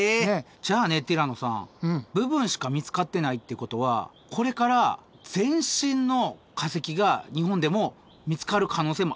じゃあねティラノさん部分しか見つかってないってことはこれから全身の化石が日本でも見つかる可能性もあるってことですよね？